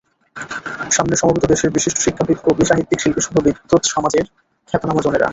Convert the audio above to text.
সামনে সমবেত দেশের বিশিষ্ট শিক্ষাবিদ, কবি, সাহিত্যিক, শিল্পীসহ বিদ্বৎসমাজের খ্যাতনামা জনেরা।